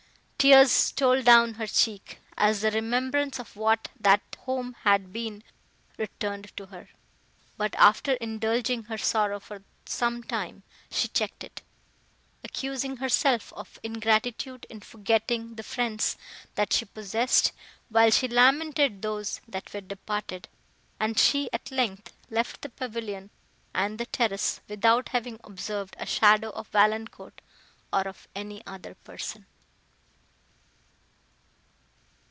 Tears stole down her cheek, as the remembrance of what that home had been, returned to her; but, after indulging her sorrow for some time, she checked it, accusing herself of ingratitude in forgetting the friends, that she possessed, while she lamented those that were departed; and she, at length, left the pavilion and the terrace, without having observed a shadow of Valancourt or of any other person.